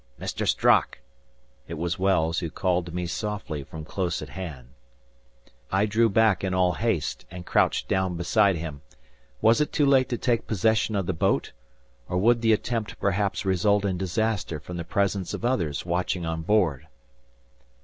"Mr. Strock!" It was Wells, who called to me softly from close at hand. I drew back in all haste and crouched down beside him. Was it too late to take possession of the boat? Or would the attempt perhaps result in disaster from the presence of others watching on board?